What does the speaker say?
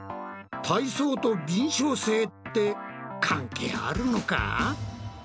体操と敏しょう性って関係あるのか？